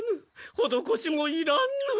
ほどこしもいらぬ。